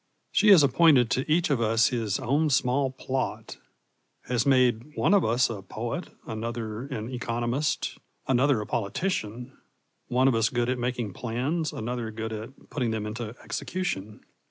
She has appointed to each of us his own small plot; has made one of us a poet, another an economist, another a politician one of us good at making plans, another good at putting them into execution.